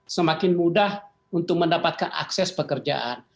semakin mudah untuk mendapatkan akses pekerjaan